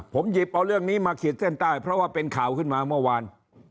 ผมหยิบเอาเรื่องนี้มาขีดเส้นใต้เพราะว่าเป็นข่าวขึ้นมาเมื่อวาน